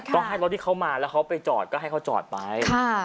ต้องให้รถที่เขามาแล้วเขาไปจอดก็ให้เขาจอดไป